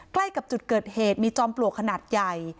ใกล้กับจุดเกิดเหตุมีจอมปลวกขนาดใหญ่